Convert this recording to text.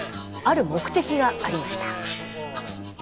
ある目的がありました。